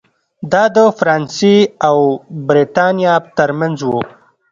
دا د فرانسې او برېټانیا ترمنځ و.